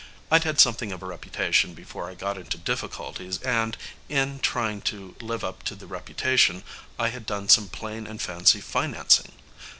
I'd had something of a reputation before I got into difficulties and, in trying to live up to the reputation, I had done some plain and fancy financing.